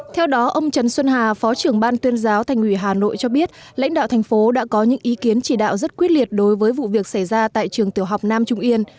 theo đó ông trần xuân hà phó trưởng ban tuyên giáo thành ủy hà nội cho biết lãnh đạo thành phố đã có những ý kiến chỉ đạo rất quyết liệt đối với vụ việc xảy ra tại trường tiểu học nam trung yên